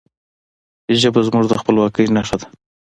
ژبه زموږ د خپلواکی نښه ده.